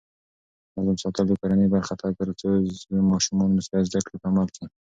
نظم ساتل د کورنۍ برخه ده ترڅو ماشومان مسؤلیت زده کړي په عمل کې.